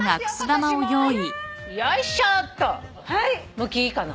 向きいいかな？